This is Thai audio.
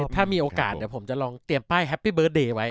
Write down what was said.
ถ้ามีโอกาสเดี๋ยวผมจะลองเตรียมป้ายแฮปปี้เบิร์ตเดย์ไว้